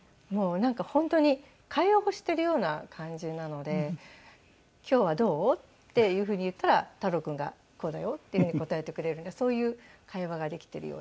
なんか本当に会話をしているような感じなので「今日はどう？」っていうふうに言ったら太郎君が「こうだよ」っていうふうに答えてくれるんでそういう会話ができているような。